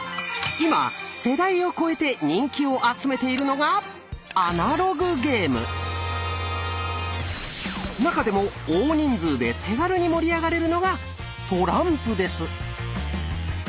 今世代を超えて人気を集めているのが中でも大人数で手軽に盛り上がれるのがトランプです。